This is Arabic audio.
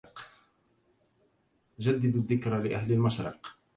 جددوا الذكرى لأهل المشرق